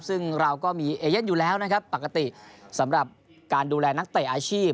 ซึ่งเราก็มีเอเย่นอยู่แล้วนะครับปกติสำหรับการดูแลนักเตะอาชีพ